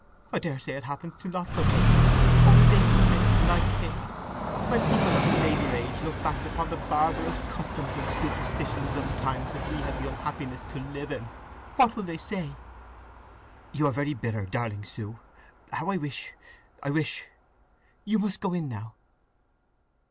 I daresay it happens to lots of women, only they submit, and I kick… When people of a later age look back upon the barbarous customs and superstitions of the times that we have the unhappiness to live in, what will they say!" "You are very bitter, darling Sue! How I wish—I wish—" "You must go in now!"